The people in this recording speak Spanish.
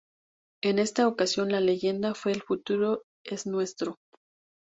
En esta ocasión, la leyenda fue "El futuro es nuestro".